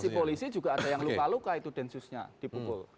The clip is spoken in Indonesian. polisi juga ada yang luka luka itu densusnya dipukul